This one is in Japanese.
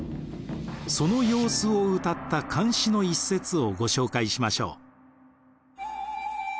その様子をうたった漢詩の一節をご紹介しましょう。